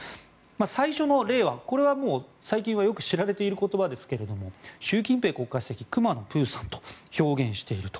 最初の例は、これは最近はよく知られている言葉ですが習近平国家主席を「くまのプーさん」と表現していると。